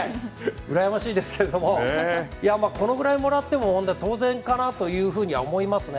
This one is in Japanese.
羨ましいですけどもいやこのぐらいもらっても当然かなというふうには思いますね。